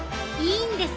いいんです！